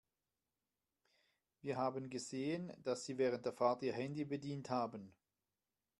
Wir haben gesehen, dass Sie während der Fahrt Ihr Handy bedient haben.